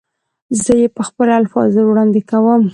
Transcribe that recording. زه یې په خپلو الفاظو وړاندې کوم.